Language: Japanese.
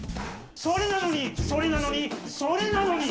それなのにそれなのにそれなのに！